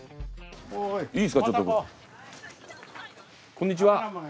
こんにちは。